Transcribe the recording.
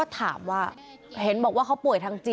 พุ่งเข้ามาแล้วกับแม่แค่สองคน